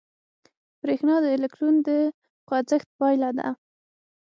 برېښنا د الکترون د خوځښت پایله ده.